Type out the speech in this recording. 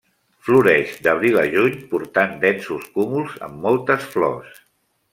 Floreix d'abril a juny portant densos cúmuls amb moltes flors.